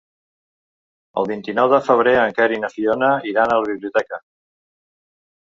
El vint-i-nou de febrer en Quer i na Fiona iran a la biblioteca.